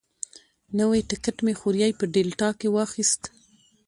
نوی ټکټ مې خوریي په ډیلټا کې واخیست.